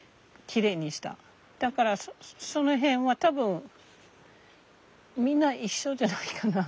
だからその辺は多分みんな一緒じゃないかな？